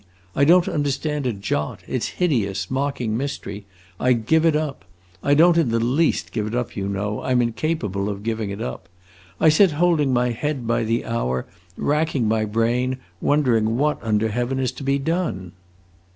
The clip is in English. I don't understand a jot; it 's a hideous, mocking mystery; I give it up! I don't in the least give it up, you know; I 'm incapable of giving it up. I sit holding my head by the hour, racking my brain, wondering what under heaven is to be done.